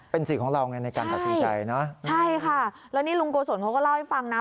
เป็นสิทธิ์ของเราไงในการตัดสินใจเนอะใช่ค่ะแล้วนี่ลุงโกศลเขาก็เล่าให้ฟังนะ